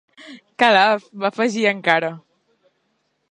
Calaf!, va afegir encara.